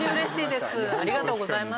ありがとうございます。